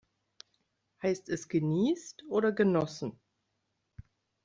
Heißt es geniest oder genossen?